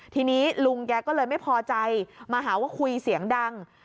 ทีนี้ลุงแกก็เลยไม่พอใจมาหาว่าคุยเสียงดัง